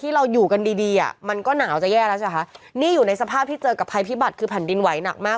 กันดีมันก็หนาวจะแย่แล้วนะคะนี่อยู่ในสภาพที่เจอกับภัยพิบัตรคือผ่านดินไหวหนักมาก